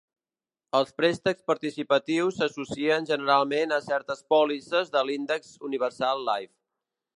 Els préstecs participatius s'associen generalment a certes pòlisses de l'Index Universal Life.